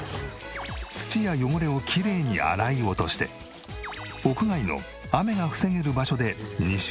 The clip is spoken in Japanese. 土や汚れをきれいに洗い落として屋外の雨が防げる場所で２週間干す。